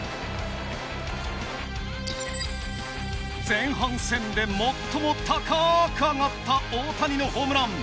前半戦で最も高く上がった大谷のホームラン。